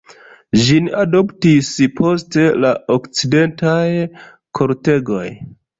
Ĝin adoptis poste la okcidentaj kortegoj.